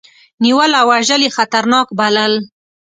نیول او وژل یې خطرناک بلل.